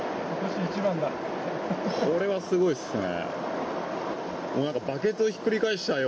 これはすごいっすね。